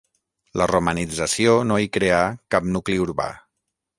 La romanització no hi creà cap nucli urbà.